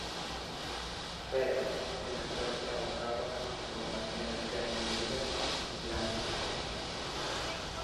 Fair", en la cual trabajaba en compañía de Henry Miller y Blanche Bates.